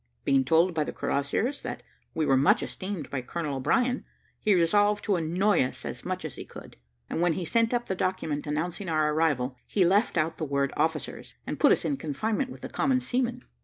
Being told by the cuirassiers that we were much esteemed by Colonel O'Brien, he resolved to annoy us as much as he could; and when he sent up the document announcing our arrival, he left out the word "Officers," and put us in confinement with the common seamen.